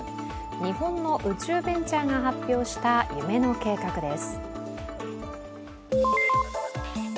日本の宇宙ベンチャーが発表した夢の計画です。